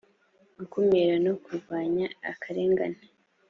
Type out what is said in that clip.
gukumira no kurwanya akarengane